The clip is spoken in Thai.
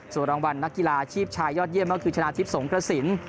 หลังวัลนักกีฬาชีพชายยอดเยี่ยมถึงชนะทิศสงสิน